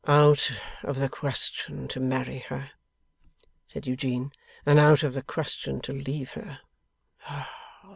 'Out of the question to marry her,' said Eugene, 'and out of the question to leave her.